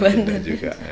pada pindah juga